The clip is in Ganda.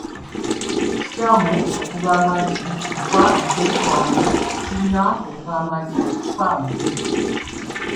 Kikyamu okugamba nti nfa, nfe wange, tulina kugamba nti ffa, nfe.